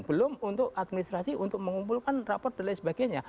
belum administrasi untuk mengumpulkan rapat dan lain sebagainya